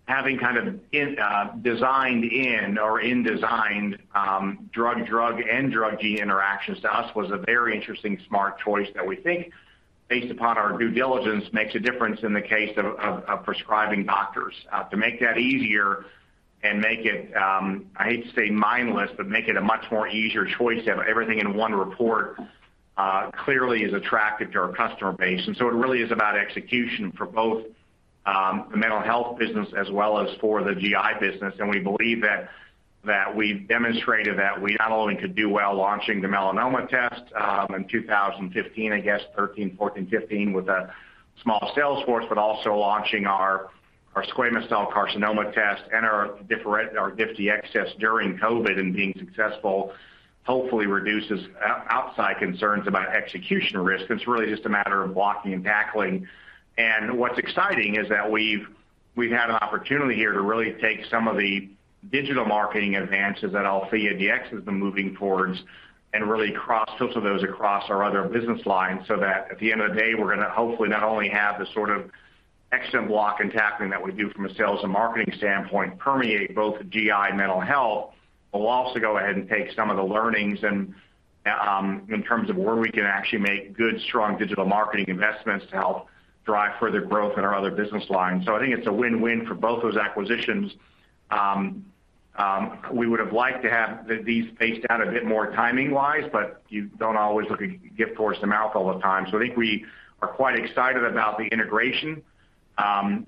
kind of designed in or in designed drug-drug and drug-gene interactions to us was a very interesting smart choice that we think based upon our due diligence makes a difference in the case of prescribing doctors. To make that easier and make it, I hate to say mindless, but make it a much more easier choice to have everything in one report, clearly is attractive to our customer base. It really is about execution for both, the mental health business as well as for the GI business. We believe that we've demonstrated that we not only could do well launching the melanoma test, in 2015, I guess, 2013, 2014, 2015, with a small sales force, but also launching our squamous cell carcinoma test and our DiffDx during COVID and being successful hopefully reduces outside concerns about execution risk. It's really just a matter of blocking and tackling. What's exciting is that we've had an opportunity here to really take some of the digital marketing advances that AltheaDx has been moving towards and really cross-filter those across our other business lines so that at the end of the day, we're gonna hopefully not only have the sort of excellent block and tackling that we do from a sales and marketing standpoint permeate both GI and mental health, but we'll also go ahead and take some of the learnings and in terms of where we can actually make good, strong digital marketing investments to help drive further growth in our other business lines. I think it's a win-win for both those acquisitions. We would have liked to have these spaced out a bit more timing-wise, but you don't always look a gift horse in the mouth all the time. I think we are quite excited about the integration,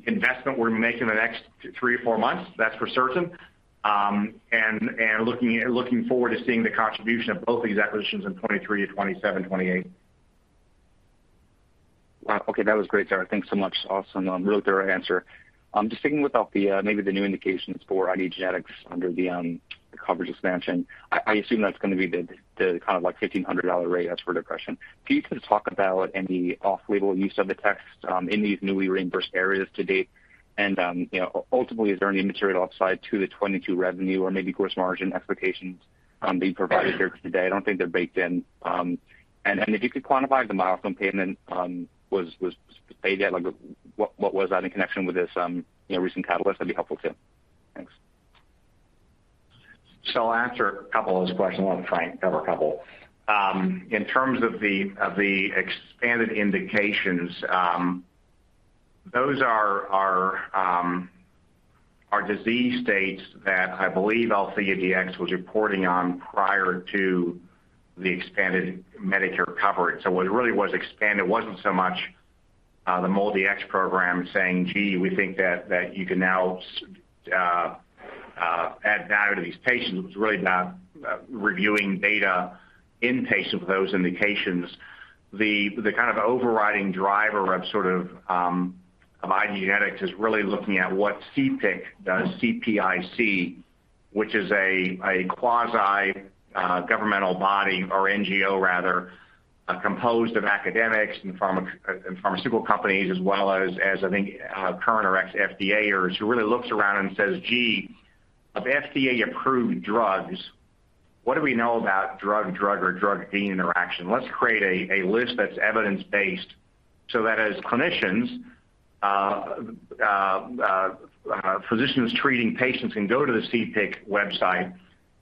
investment we're making the next three or four months. That's for certain. Looking forward to seeing the contribution of both these acquisitions in 2023 to 2027 to 2028. Wow. Okay. That was great, Derek. Thanks so much. Awesome. Really thorough answer. Just thinking without the, maybe the new indications for IDgenetix under the coverage expansion, I assume that's gonna be the kind of, like, $1,500 rate as for depression. Can you kind of talk about any off-label use of the test in these newly reimbursed areas to date? You know, ultimately, is there any material upside to the 2022 revenue or maybe gross margin expectations being provided here today? I don't think they're baked in. If you could quantify the milestone payment was paid yet, like what was that in connection with this, you know, recent catalyst? That'd be helpful too. Thanks. I'll answer a couple of those questions. I want to try and cover a couple. In terms of the expanded indications, those are disease states that I believe AltheaDx was reporting on prior to the expanded Medicare coverage. What really was expanded wasn't so much the MolDX program saying, "Gee, we think that you can now add value to these patients." It was really about reviewing data in patients with those indications. The kind of overriding driver of IDgenetix is really looking at what CPIC does, C-P-I-C, which is a quasi-governmental body or NGO rather, composed of academics and pharmaceutical companies as well as I think current or ex-FDAers who really looks around and says, "Gee, of FDA-approved drugs, what do we know about drug-drug or drug-gene interaction? Let's create a list that's evidence-based so that as clinicians, physicians treating patients can go to the CPIC website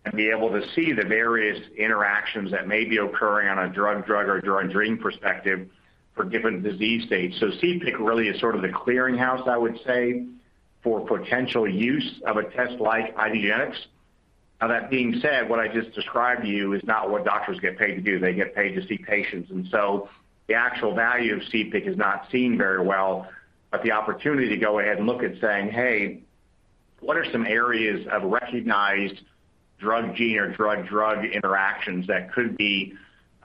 and be able to see the various interactions that may be occurring on a drug-drug or drug-gene perspective for different disease states." CPIC really is sort of the clearing house, I would say, for potential use of a test like IDgenetix. Now that being said, what I just described to you is not what doctors get paid to do. They get paid to see patients. The actual value of CPIC is not seen very well. The opportunity to go ahead and look at saying, "Hey, what are some areas of recognized drug-gene or drug-drug interactions that could be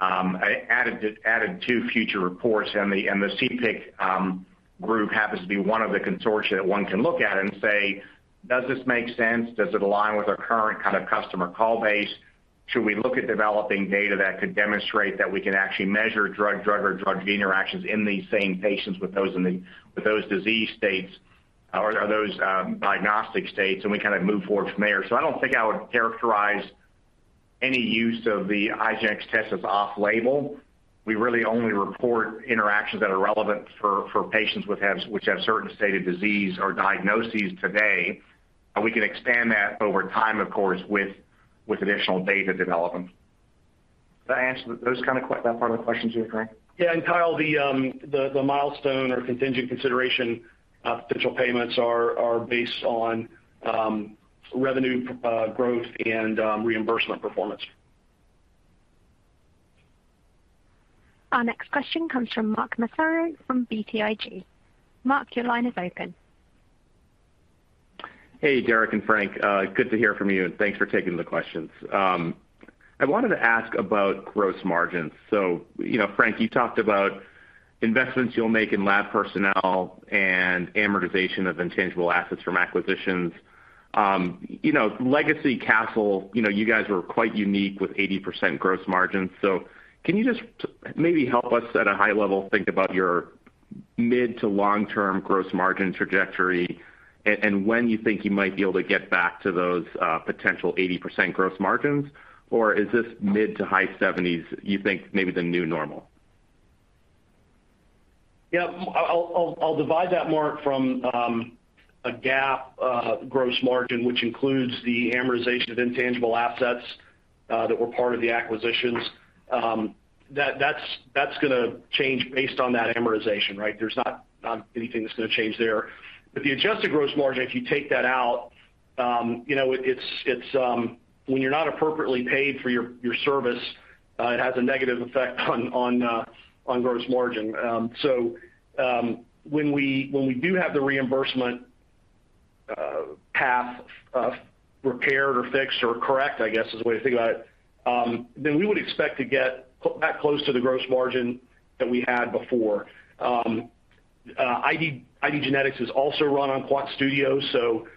added to future reports?" The CPIC group happens to be one of the consortia that one can look at and say, "Does this make sense? Does it align with our current kind of customer call base? Should we look at developing data that could demonstrate that we can actually measure drug-drug or drug-gene interactions in these same patients with those disease states or those diagnostic states?" We kind of move forward from there. I don't think I would characterize any use of the IDgenetix test as off-label. We really only report interactions that are relevant for patients who have certain stated diseases or diagnoses today. We can expand that over time, of course, with additional data development. Did I answer that part of the questions you were trying? Yeah. Kyle, the milestone or contingent consideration potential payments are based on revenue growth and reimbursement performance. Our next question comes from Mark Massaro from BTIG. Mark, your line is open. Hey, Derek and Frank. Good to hear from you, and thanks for taking the questions. I wanted to ask about gross margins. You know, Frank, you talked about investments you'll make in lab personnel and amortization of intangible assets from acquisitions. You know, legacy Castle, you know, you guys were quite unique with 80% gross margins. Can you just maybe help us at a high level think about your mid- to long-term gross margin trajectory and when you think you might be able to get back to those potential 80% gross margins? Or is this mid- to high-70s, you think maybe the new normal? Yeah, I'll divide that, Mark, from a GAAP gross margin, which includes the amortization of intangible assets that were part of the acquisitions. That's gonna change based on that amortization, right? There's not anything that's gonna change there. But the adjusted gross margin, if you take that out, you know, it's. When you're not appropriately paid for your service, it has a negative effect on gross margin. So, when we do have the reimbursement path repaired or fixed or correct, I guess, is the way to think about it, then we would expect to get back close to the gross margin that we had before. IDgenetix is also run on QuantStudio, so,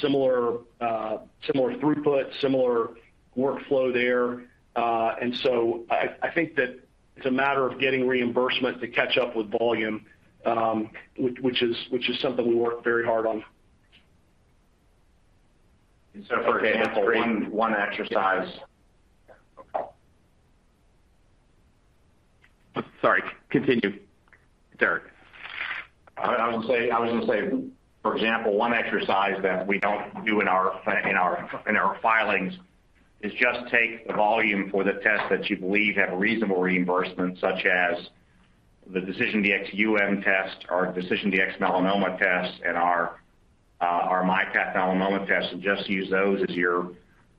similar throughput, similar workflow there. I think that it's a matter of getting reimbursement to catch up with volume, which is something we work very hard on. For example, one exercise. Sorry, continue, Derek. I was gonna say, for example, one exercise that we don't do in our filings is just take the volume for the tests that you believe have reasonable reimbursement, such as the DecisionDx-UM test, our DecisionDx-Melanoma test, and our MyPath Melanoma test, and just use those as your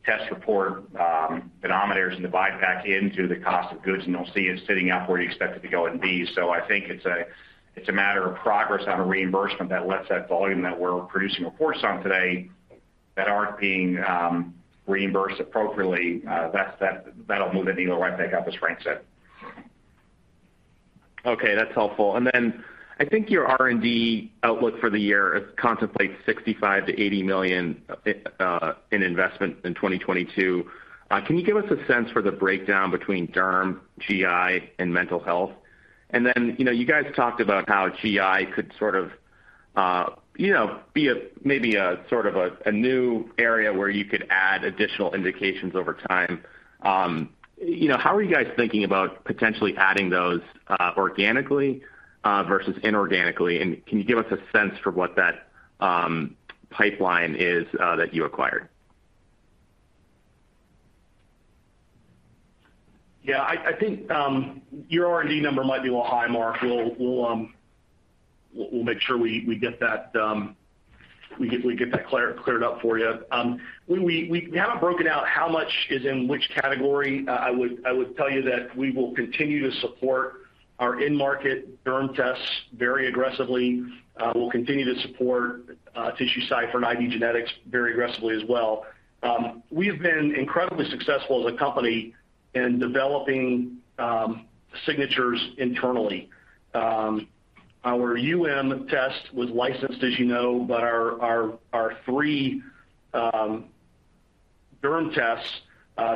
test report denominators, and divide back into the cost of goods, and you'll see it's sitting up where you expect it to go and be. I think it's a matter of progress on a reimbursement that lets that volume that we're producing reports on today that aren't being reimbursed appropriately, that's that'll move the needle right back up, as Frank said. Okay, that's helpful. I think your R&D outlook for the year contemplates $65 million-$80 million in investment in 2022. Can you give us a sense for the breakdown between Derm, GI, and mental health? You know, you guys talked about how GI could sort of you know be a maybe sort of a new area where you could add additional indications over time. You know, how are you guys thinking about potentially adding those organically versus inorganically? Can you give us a sense for what that pipeline is that you acquired? Yeah, I think your R&D number might be a little high, Mark. We'll make sure we get that cleared up for you. We haven't broken out how much is in which category. I would tell you that we will continue to support our in-market derm tests very aggressively. We'll continue to support TissueCypher and IDgenetix very aggressively as well. We have been incredibly successful as a company in developing signatures internally. Our UM test was licensed, as you know, but our three derm tests,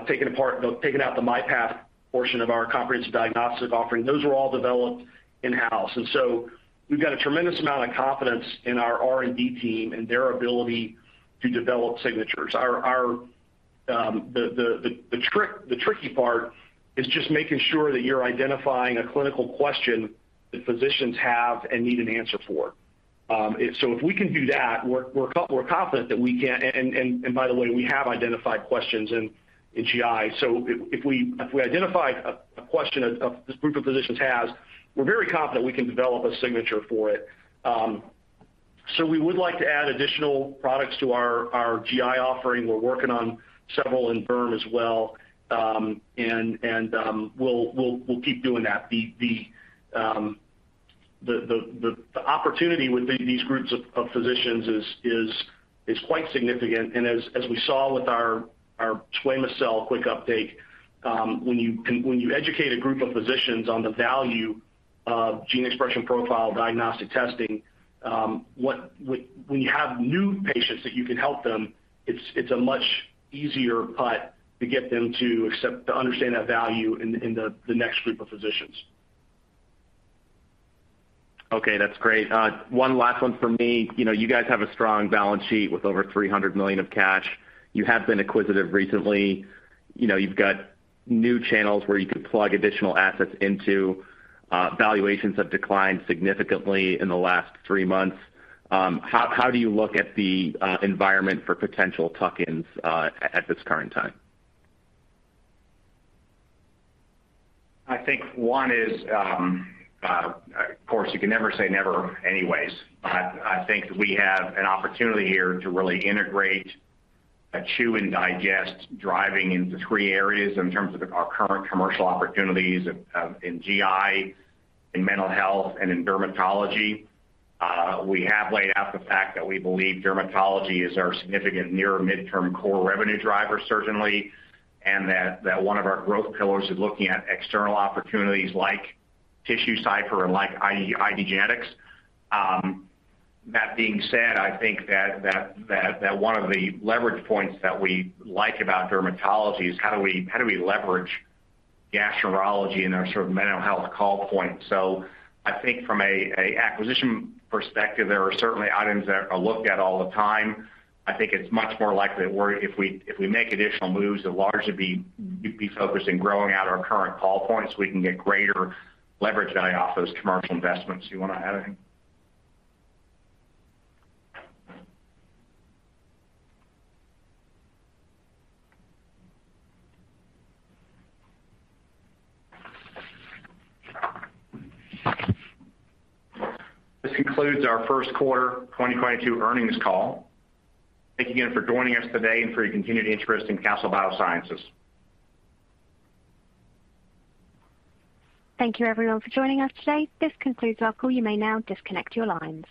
taking out the MyPath portion of our comprehensive diagnostic offering, those were all developed in-house. We've got a tremendous amount of confidence in our R&D team and their ability to develop signatures. The tricky part is just making sure that you're identifying a clinical question that physicians have and need an answer for. If we can do that, we're confident that we can. By the way, we have identified questions in GI. If we identify a question this group of physicians has, we're very confident we can develop a signature for it. We would like to add additional products to our GI offering. We're working on several in derm as well. We'll keep doing that. The opportunity with these groups of physicians is quite significant. As we saw with our squamous cell quick update, when you educate a group of physicians on the value of gene expression profile diagnostic testing, when you have new patients that you can help them, it's a much easier putt to get them to understand that value in the next group of physicians. Okay, that's great. One last one from me. You know, you guys have a strong balance sheet with over $300 million of cash. You have been acquisitive recently. You know, you've got new channels where you could plug additional assets into. Valuations have declined significantly in the last three months. How do you look at the environment for potential tuck-ins at this current time? I think one is, of course, you can never say never anyways, but I think we have an opportunity here to really integrate, driving into three areas in terms of our current commercial opportunities in GI, in mental health, and in dermatology. We have laid out the fact that we believe dermatology is our significant near midterm core revenue driver, certainly, and that one of our growth pillars is looking at external opportunities like TissueCypher and like IDgenetix. That being said, I think that one of the leverage points that we like about dermatology is how do we leverage gastroenterology and our sort of mental health call point. I think from a acquisition perspective, there are certainly items that are looked at all the time. I think it's much more likely that if we make additional moves, they'll largely be focused in growing out our current call points. We can get greater leverage value off those commercial investments. Do you wanna add anything? This concludes our first quarter 2022 earnings call. Thank you again for joining us today and for your continued interest in Castle Biosciences. Thank you everyone for joining us today. This concludes our call. You may now disconnect your lines.